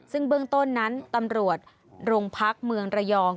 ซึ่งเบื้องต้นนั้นตำรวจโรงพักเมืองระยอง